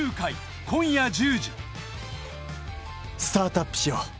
スタートアップしよう！